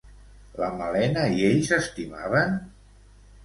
La Malena i ell s'estimaven?